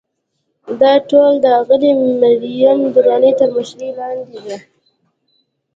دا ټولنه د اغلې مریم درانۍ تر مشرۍ لاندې ده.